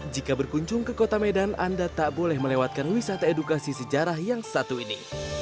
jika berkunjung ke kota medan anda tak boleh melewatkan wisata edukasi sejarah yang satu ini